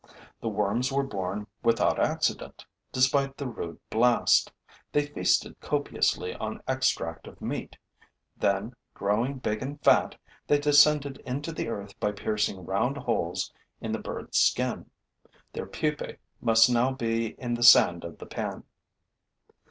The worms were born without accident, despite the rude blast; they feasted copiously on extract of meat; then, growing big and fat, they descended into the earth by piercing round holes in the bird's skin. Their pupae must now be in the sand of the pan.